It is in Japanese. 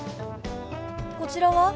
こちらは？